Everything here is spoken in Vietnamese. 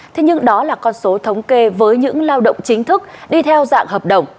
thế nhưng đó là con số thống kê với những lao động chính thức đi theo dạng hợp đồng